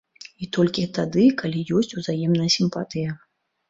І толькі тады, калі ёсць узаемная сімпатыя.